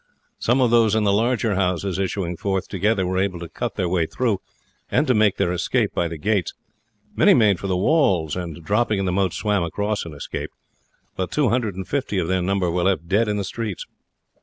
Some of those in the larger houses issuing forth together were able to cut their way through and to make their escape by the gates; many made for the walls, and dropping in the moat swam across and escaped; but two hundred and fifty of their number were left dead in the streets.